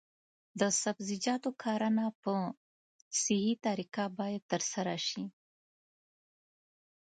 د سبزیجاتو کرنه په صحي طریقه باید ترسره شي.